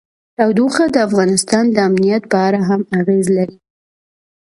تودوخه د افغانستان د امنیت په اړه هم اغېز لري.